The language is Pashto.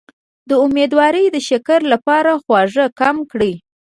د امیدوارۍ د شکر لپاره خواږه کم کړئ